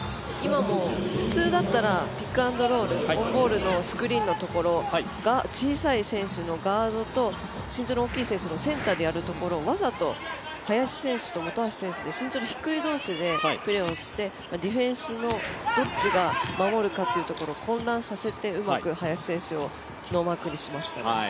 普通だったらピックアンドロールスクリーンのところが小さい選手のガードと身長の大きい選手のセンターでやるところをわざと林選手と本橋選手で身長の低い選手同士でプレーをして、ディフェンスのどっちが守るかっていうところを混乱させてうまく林選手をノーマークにしましたね。